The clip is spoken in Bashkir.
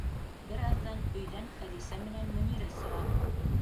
Бер аҙҙан өйҙән Хәҙисә менән Мөнирә сыға.